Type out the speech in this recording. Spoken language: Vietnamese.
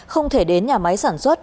không thể đến nhà máy sản xuất